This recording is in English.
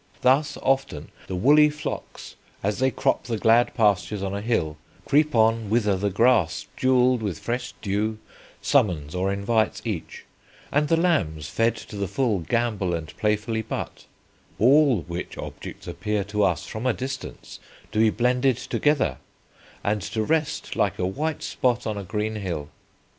Thus, often, the woolly flocks as they crop the glad pastures on a hill, creep on whither the grass, jewelled with fresh dew, summons or invites each, and the lambs, fed to the full, gambol and playfully butt; all which objects appear to us from a distance to be blended together, and to rest like a white spot on a green hill.